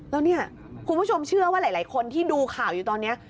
แล้วเนี่ยคุณผู้ชมเชื่อว่าหลายคนที่ดูข่าวอยู่ตอนนี้